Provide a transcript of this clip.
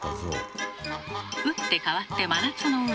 打って変わって真夏の海。